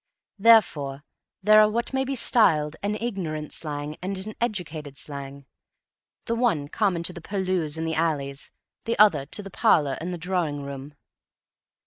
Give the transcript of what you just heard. Therefore, there are what may be styled an ignorant slang and an educated slang the one common to the purlieus and the alleys, the other to the parlor and the drawing room.